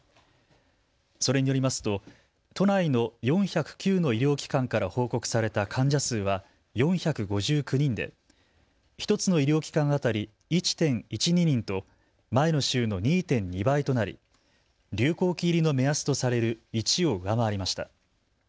それによりますと都内の４０９の医療機関から報告された患者数は４５９人で１つの医療機関当たり１．１２人と前の週の２．２倍となり流行期入りの目安とされる１を上回りました。